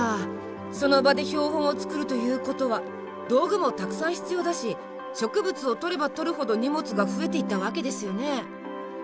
その場で標本を作るということは道具もたくさん必要だし植物を採れば採るほど荷物が増えていったわけですよね。